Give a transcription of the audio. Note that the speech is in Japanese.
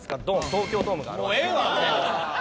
東京ドームがある。